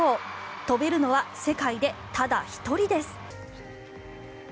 跳べるのは世界でただ１人です。